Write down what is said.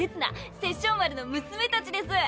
殺生丸の娘達です。